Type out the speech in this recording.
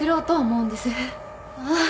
ああ。